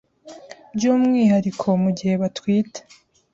by'umwihariko mu gihe batwite.